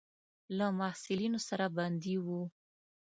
له محصلینو سره بندي وو.